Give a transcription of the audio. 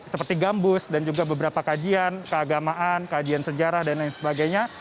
seperti gambus dan juga beberapa kajian keagamaan kajian sejarah dan lain sebagainya